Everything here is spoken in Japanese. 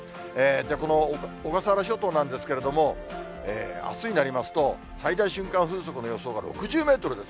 この小笠原諸島なんですけども、あすになりますと、最大瞬間風速の予想が６０メートルです。